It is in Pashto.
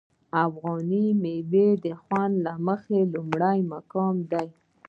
افغاني میوې د خوند له مخې لومړی دي.